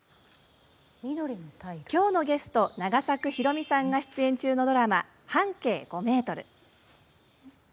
きょうのゲスト永作博美さんが出演中のドラマ「半径５メートル」。